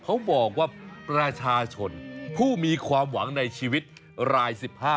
เขาบอกว่าประชาชนผู้มีความหวังในชีวิตราย๑๕